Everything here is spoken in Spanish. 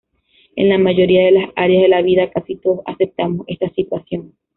En la mayoría de las áreas de la vida, casi todos aceptamos esta situación.